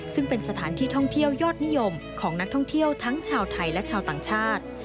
ซึ่งเป็นสถานที่ท่องเที่ยวยอดนิยมของนักท่องเที่ยวทั้งชาวไทยและชาวต่างชาติ